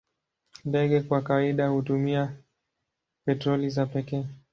Ndege kwa kawaida hutumia petroli za pekee.